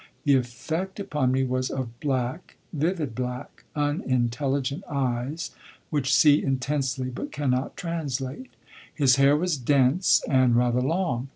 The effect upon me was of black, vivid black, unintelligent eyes which see intensely but cannot translate. His hair was dense and rather long.